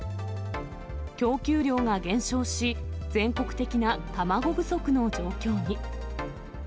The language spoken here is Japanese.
供給量が減少し、全国的な卵不足の状況に。